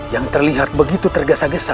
yang terlihat begitu tergesa gesa